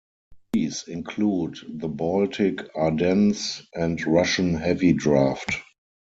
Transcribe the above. These include the Baltic Ardennes and Russian Heavy Draft.